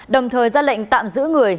đồng thời ra lệnh tạm giữ người